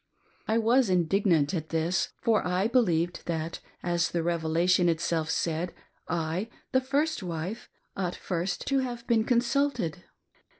I was indignant at this, for I believed that, as the Revelation itself said, I — the first wife — ought first to have been consulted.